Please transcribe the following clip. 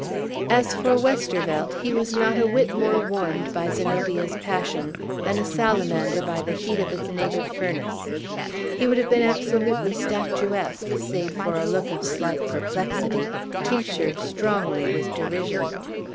As for Westervelt, he was not a whit more warmed by Zenobia's passion than a salamander by the heat of its native furnace. He would have been absolutely statuesque, save for a look of slight perplexity, tinctured strongly with derision.